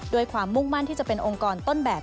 ความมุ่งมั่นที่จะเป็นองค์กรต้นแบบ